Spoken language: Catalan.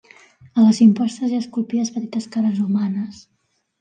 A les impostes hi ha esculpides petites cares humanes.